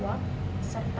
umat muslim ikhwan dan ahwad